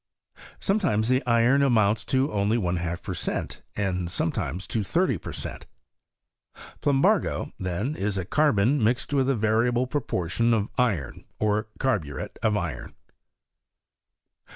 Sometimes the iron amounts only to one half per cent., and sometimes to thirty per cent. Plumbago, then, is carbon mixed with a variable proportion of iron, or carburet of iron.